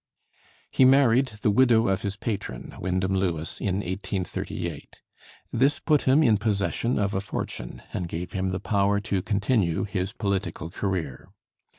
He married the widow of his patron, Wyndham Lewis, in 1838. This put him in possession of a fortune, and gave him the power to continue his political career.